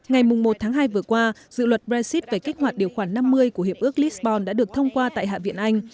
ngày một tháng hai vừa qua dự luật brexit về kích hoạt điều khoản năm mươi của hiệp ước lisbon đã được thông qua tại hạ viện anh